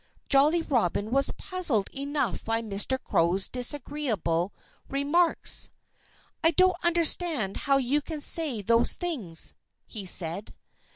Jolly Robin was puzzled enough by Mr. Crow's disagreeable remarks. "I don't understand how you can say those things," he said.